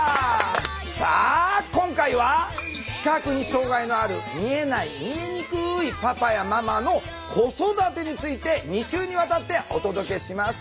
さあ今回は視覚に障害のある見えない見えにくいパパやママの子育てについて２週にわたってお届けします。